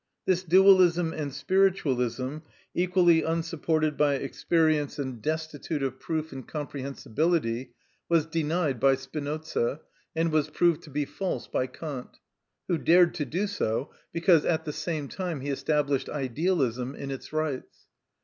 This dualism and spiritualism, equally unsupported by experience and destitute of proof and comprehensibility, was denied by Spinoza, and was proved to be false by Kant, who dared to do so because at the same time he established idealism in its rights.